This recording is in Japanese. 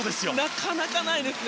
なかなかないですね。